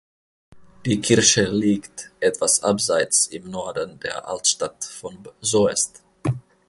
Die Kirche liegt etwas abseits im Norden der Altstadt von Soest.